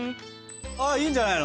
ああいいんじゃないの？